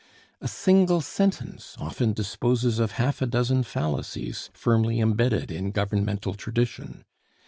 A single sentence often disposes of half a dozen fallacies firmly imbedded in governmental tradition.